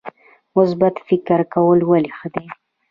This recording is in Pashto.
مثبت فکر کول ولې ښه دي؟